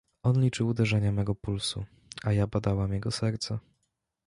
On liczył uderzenia mego pulsu, a ja badałam jego serce…